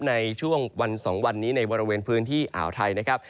ในช่วงวัน๒วันนี้ในบริเวณพื้นที่อ่าวไทยนะครับ